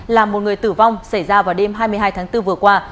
là một người tử vong xảy ra vào đêm hai mươi hai tháng bốn vừa qua